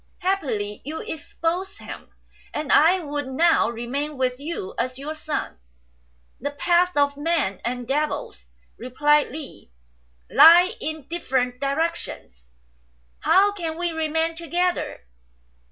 Happily you exposed him ; and I would now remain with you as your son." "The paths of men and devils," replied Li, "lie in different directions. How can we remain together